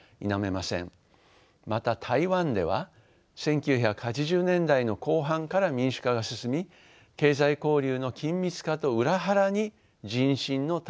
また台湾では１９８０年代の後半から民主化が進み経済交流の緊密化と裏腹に人心の大陸離れが進んでいます。